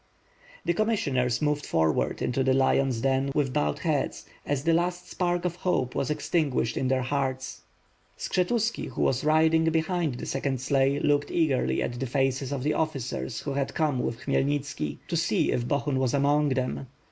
The commissioners moved forward into the lion's den with bowed heads as the last spark of hope was extinguished in their hearts. Skshetuski, who was riding behind the second sleigh, looked eagerly at the faces of the officers who had come with Khmy elnitski, to see if Bohun was among them.